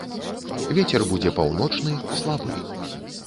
Вецер будзе паўночны слабы.